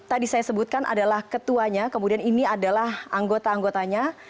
tadi saya sebutkan adalah ketuanya kemudian ini adalah anggota anggotanya